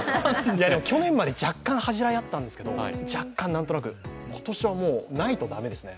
去年まで若干恥じらいがあったんですけど今年はもう、ないと駄目ですね。